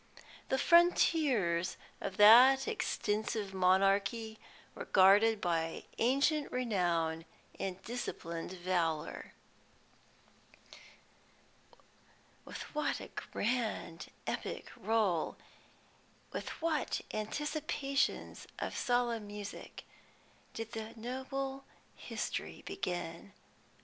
The frontiers of that extensive monarchy were guarded by ancient renown and disciplined valour." With what a grand epic roll, with what anticipations of solemn music, did the noble history begin!